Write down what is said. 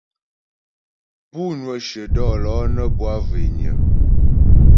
Pú ŋwə shyə dɔ̌lɔ̌ nə́ bwâ zhwényə.